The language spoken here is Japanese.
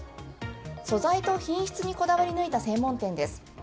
素材と品質にこだわり抜いた専門店です。